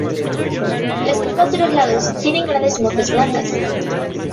Las plumas de los lados tienen grandes motas blancas.